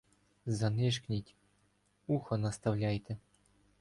Занишкніть, уха наставляйте